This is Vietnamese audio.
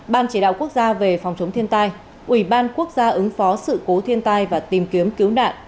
ban chỉ đạo quốc gia về phòng chống thiên tai ubnd ứng phó sự cố thiên tai và tìm kiếm cứu nạn